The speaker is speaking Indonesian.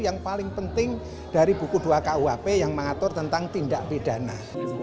yang paling penting dari buku dua kuhp yang mengatur tentang tindak pidana